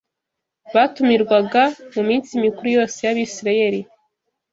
batumirwaga mu minsi mikuru yose y’Abisirayeli